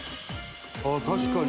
「ああ確かに」